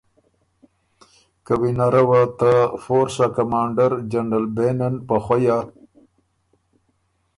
که وینره وه ته فورس ا کمانډر جنرل بېنن په خوَیه،